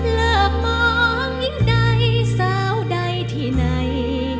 เลิกมองยิ่งใดสาวใดที่ไหน